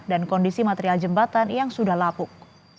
dan kondisi material jembatan yang sudah lapuk